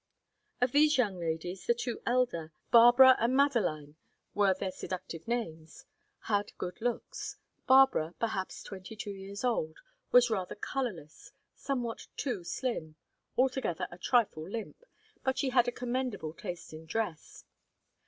Of these young ladies, the two elder Barbara and Madeline were their seductive names had good looks. Barbara, perhaps twenty two years old, was rather colourless, somewhat too slim, altogether a trifle limp; but she had a commendable taste in dress.